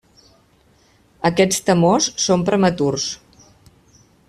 Aquests temors són prematurs.